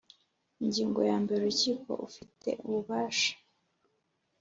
Ingingo ya mbere Urukiko ufite ububasha